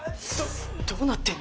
どうなってんの！？